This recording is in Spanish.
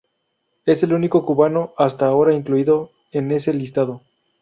Es el único cubano hasta ahora incluido en ese listado.